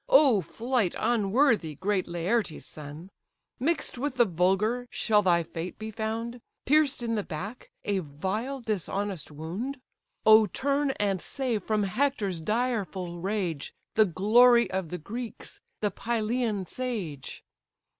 Oh, flight unworthy great Laertes' son! Mix'd with the vulgar shall thy fate be found, Pierced in the back, a vile, dishonest wound? Oh turn and save from Hector's direful rage The glory of the Greeks, the Pylian sage."